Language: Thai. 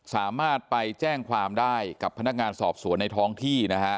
สามารถไปแจ้งความได้กับพนักงานสอบสวนในท้องที่นะฮะ